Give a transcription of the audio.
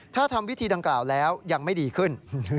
ถ้าทำวิธีดังกล่าวแล้วยังไม่ดีขึ้น